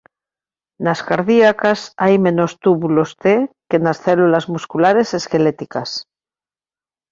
Nas cardíacas hai menos túbulos T que nas células musculares esqueléticas.